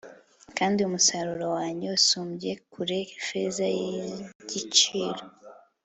kandi umusaruro wanjye usumbye kure feza y'igiciro